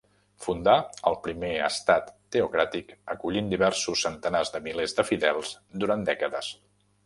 Fundà el primer estat teocràtic acollint diversos centenars de milers de fidels durant dècades.